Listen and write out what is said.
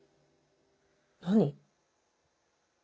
何？